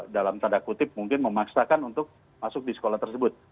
dalam tanda kutip mungkin memaksakan untuk masuk di sekolah tersebut